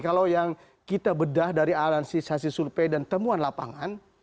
kalau yang kita bedah dari alansi hasil survei dan temuan lapangan